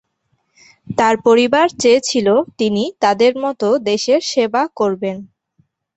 তার পরিবার চেয়েছিল তিনি তাদের মতো দেশের সেবা করবেন।